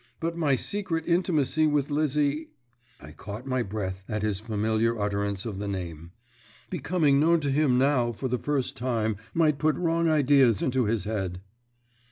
"But my secret intimacy with Lizzie" I caught my breath at his familiar utterance of the name "becoming known to him now for the first time, might put wrong ideas into his head."